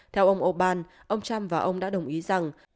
theo ông orbán ông trump và ông đã đồng ý rằng